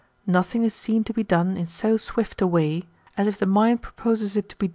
^ No thing is seen to be done in so swift a way,^ as if the mind pro * Suffers with the body.